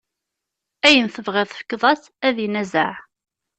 Ayen tebɣiḍ tefkeḍ-as, ad inazeɛ.